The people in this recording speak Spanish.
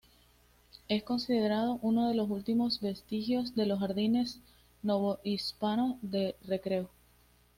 Es considerado uno de los últimos vestigios de los jardines novohispanos de recreo.